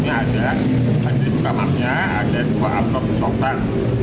ini ada di kamarnya ada dua amplop coklat